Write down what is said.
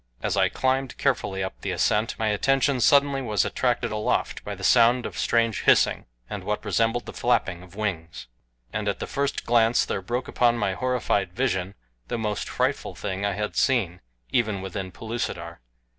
As I climbed carefully up the ascent my attention suddenly was attracted aloft by the sound of strange hissing, and what resembled the flapping of wings. And at the first glance there broke upon my horrified vision the most frightful thing I had seen even within Pellucidar.